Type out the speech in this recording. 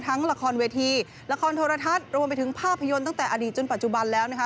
ละครเวทีละครโทรทัศน์รวมไปถึงภาพยนตร์ตั้งแต่อดีตจนปัจจุบันแล้วนะคะ